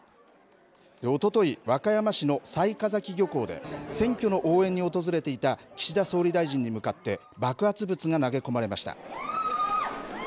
おととい、和歌山市の雑賀崎漁港で、選挙の応援に訪れていた岸田総理大臣に向かって、爆発物が投げ込まれました。